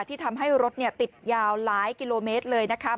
ที่ทำให้รถติดยาวหลายกิโลเมตรเลยนะคะ